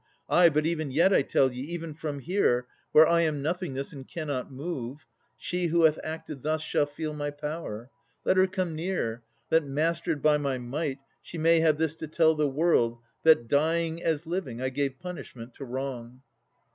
Ay, but even yet, I tell ye, even from here, Where I am nothingness and cannot move, She who hath done this deed shall feel my power. Let her come near, that, mastered by my might, She may have this to tell the world, that, dying, As living, I gave punishment to wrong.